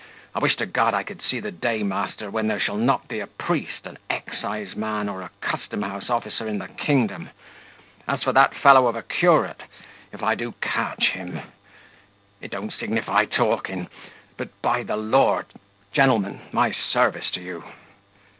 I wish to God I could see the day, master, when there shall not be a priest, an exciseman, or a custom house officer in the kingdom. As for that fellow of a curate, if I do catch him It don't signify talking But, by the Lord! Gentlemen, my service to you."